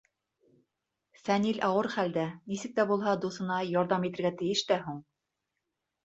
Фәнил ауыр хәлдә, нисек тә булһа дуҫына ярҙам итергә тейеш тә һуң.